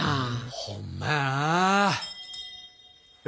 ほんまやな。